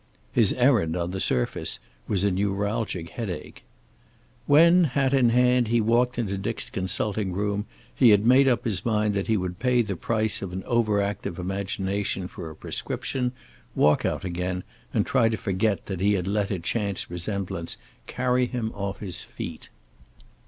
His errand, on the surface, was a neuralgic headache. When, hat in hand, he walked into Dick's consulting room, he had made up his mind that he would pay the price of an overactive imagination for a prescription, walk out again, and try to forget that he had let a chance resemblance carry him off his feet.